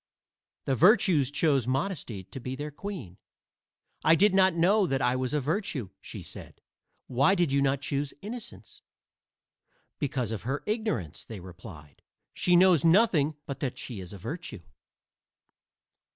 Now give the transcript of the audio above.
The virtues chose Modesty to be their queen. "I did not know that I was a virtue," she said. "Why did you not choose Innocence?" "Because of her ignorance," they replied. "She knows nothing but that she is a virtue."